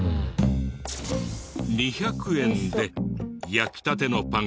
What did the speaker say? ２００円で焼きたてのパンが３つ。